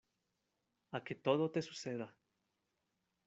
a que todo te suceda.